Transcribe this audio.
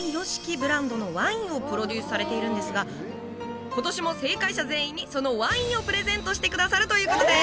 ブランドのワインをプロデュースされているんですが今年も正解者全員にそのワインをプレゼントしてくださるということです